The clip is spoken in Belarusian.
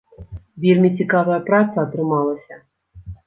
Вельмі цікавая праца атрымалася.